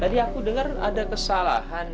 tadi aku dengar ada kesalahan